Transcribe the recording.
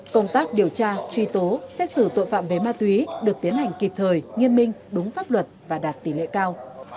công tác điều tra truy tố xét xử tội phạm về ma túy được tiến hành kịp thời nghiêm minh đúng pháp luật và đạt tỷ lệ cao